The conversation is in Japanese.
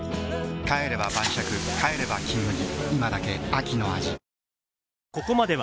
帰れば晩酌帰れば「金麦」